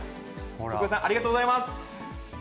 常世さん、ありがとうございます。